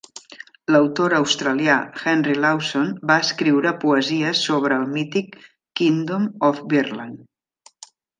L'autor australià Henry Lawson va escriure poesia sobre el mític "Kingdom of Virland".